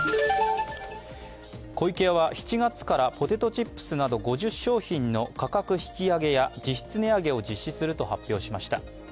湖池屋は７月からポテトチップスなど５０商品の価格引き上げや実質値上げを実施すると発表しました。